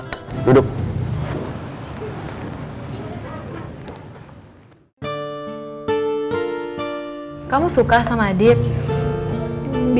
aja yaudah aku pulang aja duduk kamu suka sama dip biasa aja yakin cuma biasa aja yakin cuma biasa aja